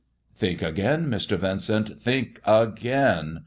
"Think again, Mr. Vincent — think again.